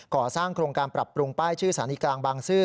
ก่อสร้างโครงการปรับปรุงป้ายชื่อสถานีกลางบางซื่อ